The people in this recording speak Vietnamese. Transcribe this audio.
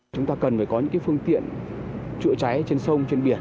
chúng ta cần phải có những phương tiện chữa cháy trên sông trên biển